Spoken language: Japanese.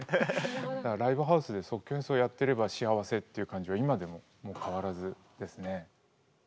ライブハウスで即興演奏やってれば幸せっていう感じは今でも変わらずですね。